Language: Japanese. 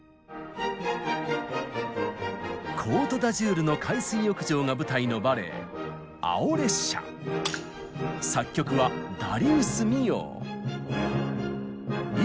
コートダジュールの海水浴場が舞台のバレエ作曲はダリウス・ミヨー。